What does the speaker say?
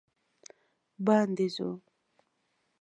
باندې ځو